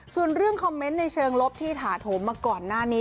ส่วนเรื่องคอมเมนต์ในเชิงลบที่ถาโถมมาก่อนหน้านี้